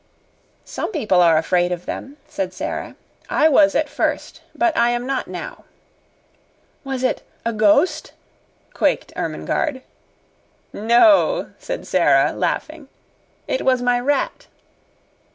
"Some people are afraid of them," said Sara. "I was at first but I am not now." "Was it a ghost?" quaked Ermengarde. "No," said Sara, laughing. "It was my rat."